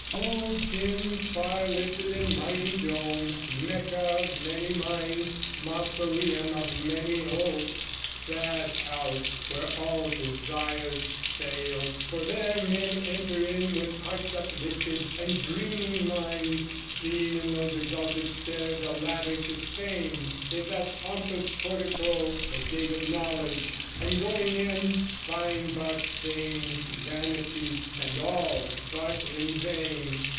O dim, far lifted, and mighty dome, Mecca of many minds, mausoleum of many hopes, sad house where all desires fail! For there men enter in with hearts uplifted, and dreaming minds, seeing in those exalted stairs a ladder to fame, in that pompous portico the gate of knowledge, and going in, find but vain vanity, and all but in vain.